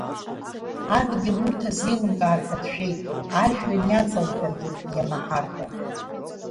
Адгьыл урҭ азеилымкаар ҳәа дшәеит, ажәҩан иаҵалҳәаргьы иамаҳар ҳәа.